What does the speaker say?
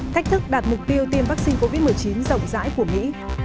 thách thức đạt mục tiêu tiêm vaccine covid một mươi chín rộng rãi của mỹ